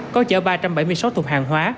có chở ba trăm bảy mươi sáu thùng hàng hóa